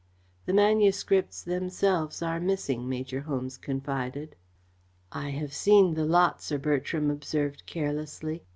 "The manuscripts themselves are missing," Major Holmes confided. "I have seen the lot," Sir Bertram observed carelessly.